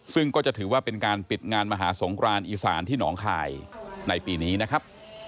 ซึ่งก็จะถือว่าเป็นการปิดงานมหาสงครานอีสานที่หนองคายในปีนี้นะครับ